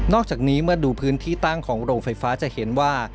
อกจากนี้เมื่อดูพื้นที่ตั้งของโรงไฟฟ้าจะเห็นว่า